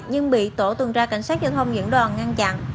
nhưng bị tổ tuần tra cảnh sát giao thông diễn đoàn ngăn chặn